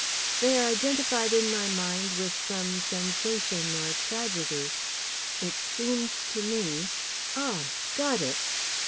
They are identified in my mind with some sensation or tragedy. It seems to me ah! got it!"